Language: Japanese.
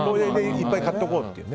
いっぱい買っておこうっていう。